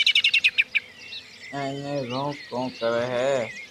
ايتي رڙ ڪون ڪري ھي